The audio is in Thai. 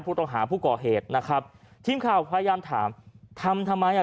ผู้ต้องหาผู้ก่อเหตุนะครับทีมข่าวพยายามถามทำทำไมอ่ะ